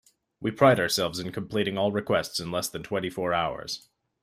We pride ourselves in completing all requests in less than twenty four hours.